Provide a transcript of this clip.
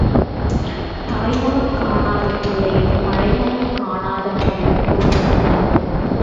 தாய் முகம் காணாத பிள்ளையும், மழை முகம் காணாத பயிரும் உருப்படாது.